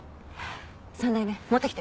３代目持ってきて。